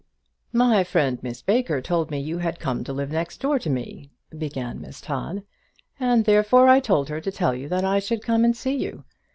"My friend, Miss Baker, told me you had come to live next door to me," began Miss Todd, "and therefore I told her to tell you that I should come and see you.